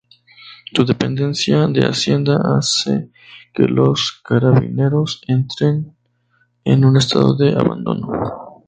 Su dependencia de Hacienda hace que los carabineros entren en un estado de abandono.